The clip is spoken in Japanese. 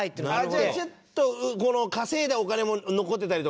じゃあちょっとこの稼いだお金も残ってたりとか？